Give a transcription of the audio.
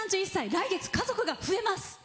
来月、家族が増えます。